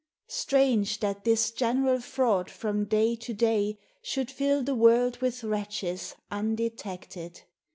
Strange that this general fraud from day to day Should fill the world with wretches, undetected